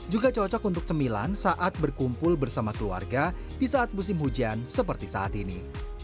juga cocok untuk cemilan saat berkumpul bersama keluarga di saat musim hujan seperti saat ini